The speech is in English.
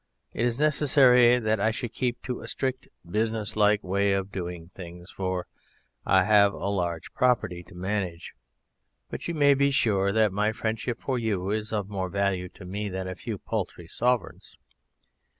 It is necessary that I should keep to a strict, business like way of doing things, for I have a large property to manage; but you may be sure that my friendship for you is of more value to me than a few paltry sovereigns.